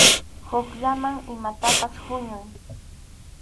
Hukllaman imatapas huñuy.